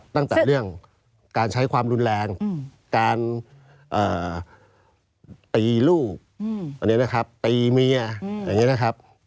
ตั้งแต่เรื่องการใช้ความรุนแรงการตีลูกตีเมียอย่างนี้นะครับ